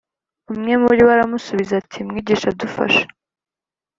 Umwe muri bo aramusubiza ati Mwigisha dufashe